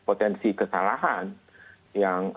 potensi kesalahan yang